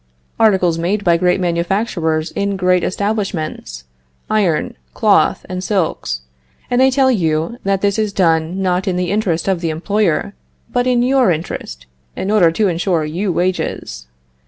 Articles made by great manufacturers in great establishments, iron, cloth and silks, and they tell you that this is done not in the interest of the employer, but in your interest, in order to insure you wages.